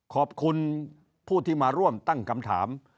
ขอบคุณผู้ที่มาร่วมตั้งคำถาม